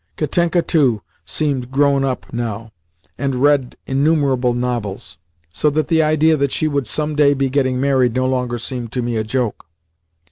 Katenka, too, seemed grown up now, and read innumerable novels; so that the idea that she would some day be getting married no longer seemed to me a joke.